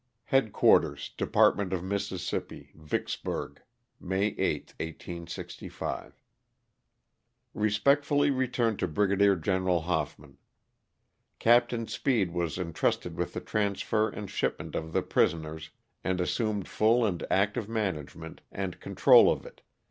Headquarters Department of Mississippi, ViOKSBURG, May 8, 1805. Respectfully returned to Brigadier General Hoffman. Cap tain Speed was entrusted with the transfer and shipment of the prisoners and assumed full and active management and control of it.